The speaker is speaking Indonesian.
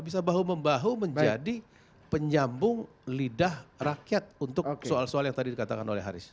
bisa bahu membahu menjadi penyambung lidah rakyat untuk soal soal yang tadi dikatakan oleh haris